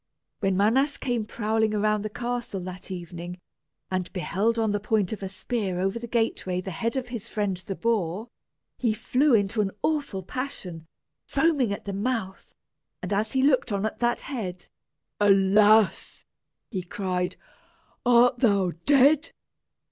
When Manas came prowling around the castle that evening, and beheld on the point of a spear over the gateway the head of his friend the boar, he flew into an awful passion, foaming at the mouth; and as he looked on that head "Alas!" he cried, "art thou dead?